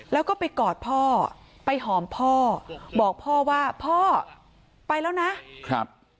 แล้วก็ไปกอดพ่อไปหอมพ่อบอกพ่อว่าพ่อไปแล้วนะครับ